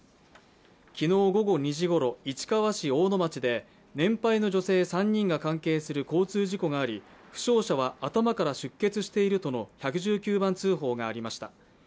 昨日午後２時ごろ、市川市大野町で年配の女性３人が関係する交通事故があり負傷者は頭から出血しているといの１１９番通報がありました。